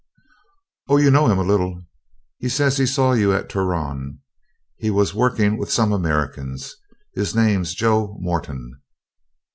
'Oh! you know him a little. He says he saw you at the Turon; he was working with some Americans. His name's Joe Moreton.'